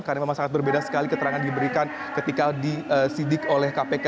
karena memang sangat berbeda sekali keterangan yang diberikan ketika disidik oleh kpk